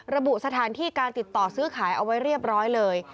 ระบุสถานที่การติดต่อซื้อขายเอาไว้เรียบร้อยเลย